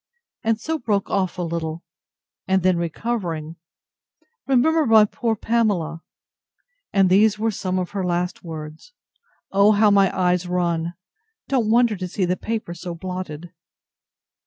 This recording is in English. —and so broke off a little; and then recovering—Remember my poor Pamela—And these were some of her last words! O how my eyes run—Don't wonder to see the paper so blotted.